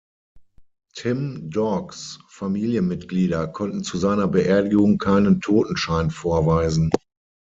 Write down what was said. Tim Dogs Familienmitglieder konnten zu seiner Beerdigung keinen Totenschein vorweisen.